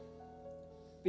aku sudah selesai